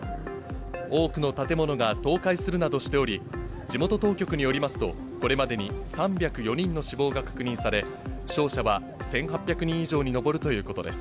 多くの建物が倒壊するなどしており、地元当局によりますと、これまでに３０４人の死亡が確認され、負傷者は１８００人以上に上るということです。